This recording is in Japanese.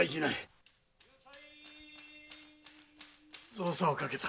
造作をかけた。